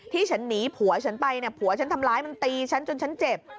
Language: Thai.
ที่ฉันหนีผัวฉันไปเนี่ยผัวฉันทำร้ายมันตีฉันจนฉันเจ็บ